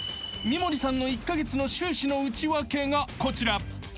［三森さんの１カ月の収支の内訳がこちら］